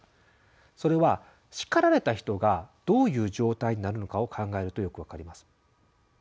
それは叱られた人がどういう状態になるのかを考えるとよく分かります。